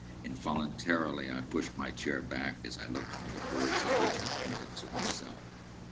Involuntarily I pushed my chair back, as I looked from the boards at which he pointed to himself.